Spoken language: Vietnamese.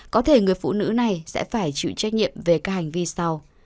có thể người phụ nữ này sẽ phải chịu trách nhiệm về các hành vi sau